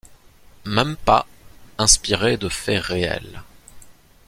Même pas « inspiré de faits réels ».